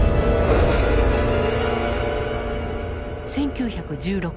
１９１６年。